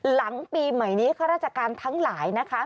หลังปีใหม่นี้ข้าราชการทั้งหลายนะคะ